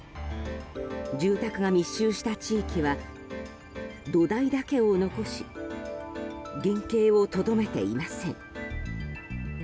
住宅が密集した地域は土台だけを残し原形をとどめていません。